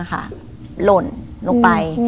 หล่นลงไป